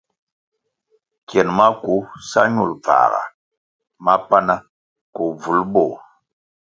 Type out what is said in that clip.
Kien maku sa ñul bvãhga mapana koh bvúl bőh.